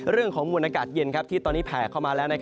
เรื่องของมวลอากาศเย็นที่ตอนนี้แผ่เข้ามาแล้ว